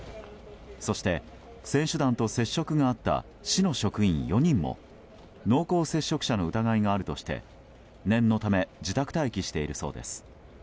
そして、選手団と接触があった市の職員４人も濃厚接触者の疑いがあるとして念のため自宅待機しているそうです。